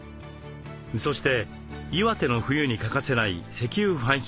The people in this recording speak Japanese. そして岩手の冬に欠かせない石油ファンヒーター。